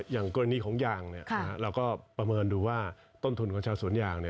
อย่างกรณีของยางเราก็ประเมินดูว่าต้นทุนของชาวสวนยาง